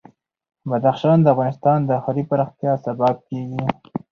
بدخشان د افغانستان د ښاري پراختیا سبب کېږي.